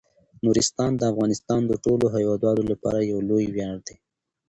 نورستان د افغانستان د ټولو هیوادوالو لپاره یو لوی ویاړ دی.